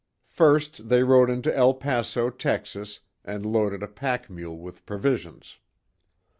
First they rode into El Paso, Texas, and loaded a pack mule with provisions.